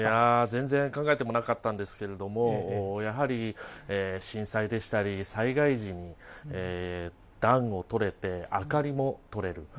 全然考えてもなかったんですけれども、やはり、震災でしたり、災害時に暖をとれて、明かりも取れる。